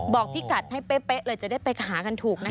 บอกพี่กัดให้เป๊ะเลยจะได้ไปหากันถูกนะคะ